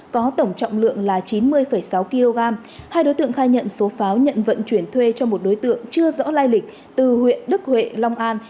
có tổng trọng lượng là chín mươi sáu kg hai đối tượng khai nhận số pháo nhận vận chuyển thuê cho một đối tượng chưa rõ lai lịch từ huyện đức huệ long an